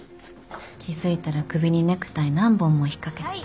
気付いたら首にネクタイ何本も引っかけてた。